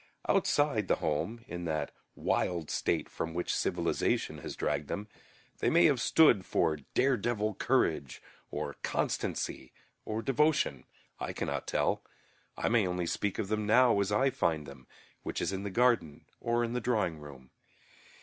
Outside the home, in that wild state from which civilization has dragged them, they may have stood for dare devil courage or constancy or devotion; I cannot tell. I may only speak of them now as I find them, which is in the garden or in the drawing room.